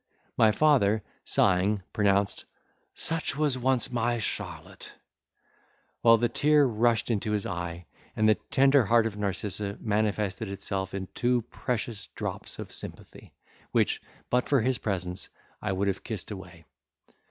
My father, sighing, pronounced, "Such was once my Charlotte;" while the tear rushed into his eye, and the tender heart of Narcissa manifested itself in two precious drops of sympathy, which, but for his presence, I would have kissed away.